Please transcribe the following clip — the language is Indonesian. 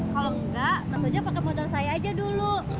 kalau enggak mas ojak pake motor saya aja dulu